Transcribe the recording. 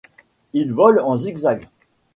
Il vole en zig-zag.